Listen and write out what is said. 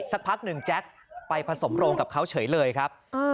สักพักหนึ่งแจ๊คไปผสมโรงกับเขาเฉยเลยครับ